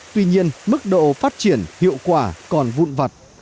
tuy nhiên mức độ phát triển hiệu quả còn vụn vặt